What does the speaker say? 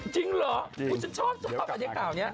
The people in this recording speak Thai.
จริงเหรอคุณชอบอันยังข่าวนี้